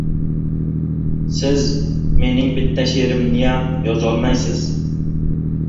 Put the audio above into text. Siz mening bitta she’rimniyam yozolmaysiz!